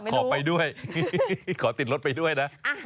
ขอไปด้วยขอติดรถไปด้วยนะ